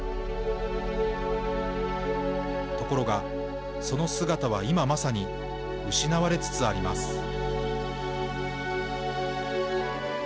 ところが、その姿は今まさに失われつつあります。